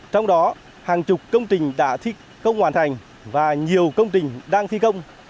trong đó hàng chục công trình đã thi công hoàn thành và nhiều công trình đang thi công